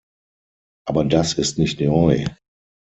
Aber das ist nicht neu.